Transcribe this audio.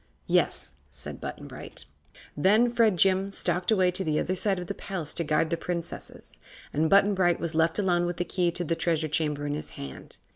"Yes," said Button Bright. Then Fredjim stalked away to the other side of the palace to guard the Princesses, and Button Bright was left alone with the key to the Treasure Chamber in his hand.